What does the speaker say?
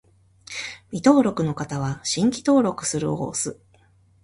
未登録の方は、「新規登録する」を押す